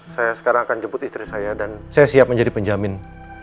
saya sekarang akan jemput istri saya dan saya siap menjadi penjamin